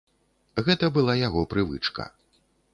Гэта была яго прывычка.